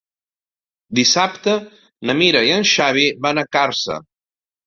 Dissabte na Mira i en Xavi van a Càrcer.